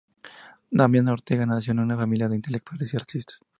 Damián Ortega nació en una familia de intelectuales y artistas.